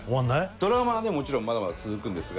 ドラマはねもちろんまだまだ続くんですが。